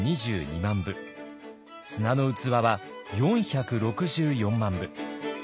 「砂の器」は４６４万部。